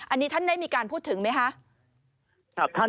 อันนี้ท่านได้มีการพูดถึงไหมคะ